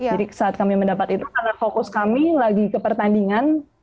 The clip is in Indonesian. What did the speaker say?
jadi saat kami mendapat itu karena fokus kami lagi ke pertandingan